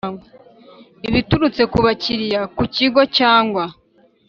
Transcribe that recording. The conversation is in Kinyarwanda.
ibiturutse ku bakiriya ku Kigo cyangwa